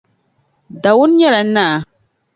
Dawuni nyɛla naa.